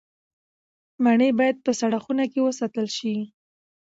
مڼې باید په سړه خونه کې وساتل شي.